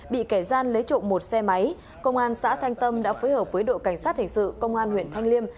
bị kẻ gian lấy trộm một xe máy công an xã thanh tâm đã phối hợp với đội cảnh sát hình sự công an huyện thanh liêm